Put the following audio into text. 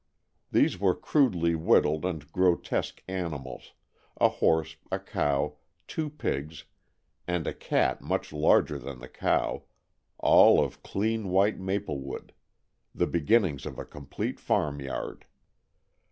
These were crudely whittled and grotesque animals a horse, a cow, two pigs and a cat much larger than the cow, all of clean white maplewood the beginnings of a complete farm yard.